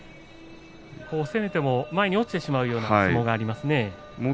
前に落ちてしまうような相撲がありますね。